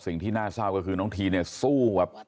สู้ชีวิตมาแทบตาย